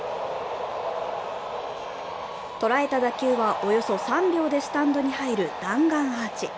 とらえた打球はおよそ３秒でスタンドに入る弾丸アーチ。